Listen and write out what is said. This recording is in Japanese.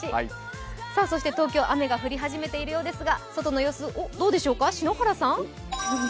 東京、雨が降り始めているようですが、外の様子いかがですか。